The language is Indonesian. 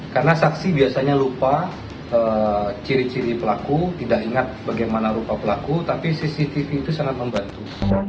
karena saksi biasanya lupa ciri ciri pelaku tidak ingat bagaimana rupa pelaku tapi cctv itu sangat membantu